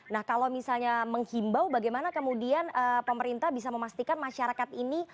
nah kalau misalnya menghimbau bagaimana kemudian pemerintah bisa memastikan masyarakat ini